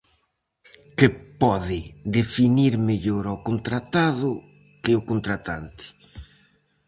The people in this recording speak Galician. Que pode definir mellor ó contratado que o contratante?